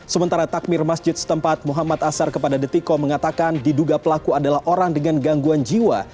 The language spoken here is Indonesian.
sementara takmir masjid setempat muhammad asar kepada detiko mengatakan diduga pelaku adalah orang dengan gangguan jiwa